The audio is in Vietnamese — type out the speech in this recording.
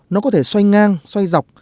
nó có thể xoay ngang xoay dọc